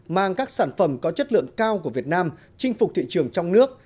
mang các sản phẩm có chất lượng cao của việt nam chinh phục thị trường trong nước